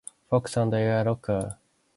Fox and Al Roker.